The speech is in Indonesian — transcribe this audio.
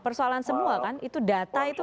persoalan semua kan itu data itu